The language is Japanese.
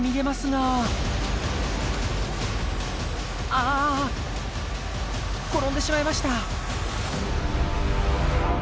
ああ転んでしまいました。